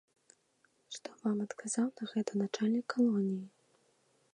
Што вам адказаў на гэта начальнік калоніі?